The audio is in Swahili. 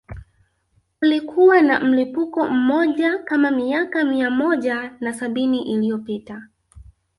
Kulikuwa na mlipuko mmoja kama miaka mia moja na sabini iliyopita